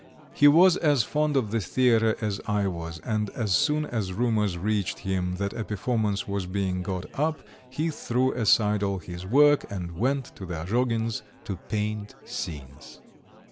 He was as fond of the theatre as I was, and as soon as rumours reached him that a performance was being got up he threw aside all his work and went to the Azhogins' to paint scenes.